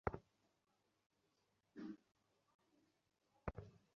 শত্রুর মুখে ছাই দিয়ে সাতটি কন্যে, একটি ছেলে।